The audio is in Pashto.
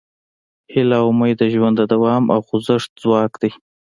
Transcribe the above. هیله او امید د ژوند د دوام او خوځښت ځواک دی.